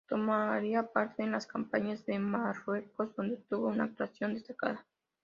Tomaría parte en las campañas de Marruecos, donde tuvo una actuación destacada.